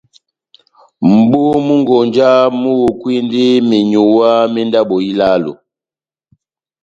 mʼbúmwi-konja múhukwindi menyuwa mé ndabo ilálo.